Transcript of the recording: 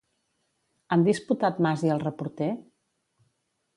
Han disputat Mas i el reporter?